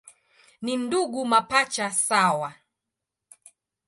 Ni ndugu mapacha sawa.